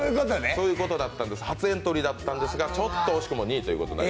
そういうことだったんです、初エントリーでしたが、惜しくも２位ということで。